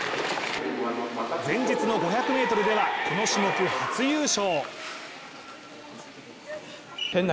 前日の５００ｍではこの種目、初優勝。